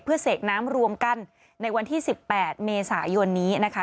เพื่อเสกน้ำรวมกันในวันที่๑๘เมษายนนี้นะคะ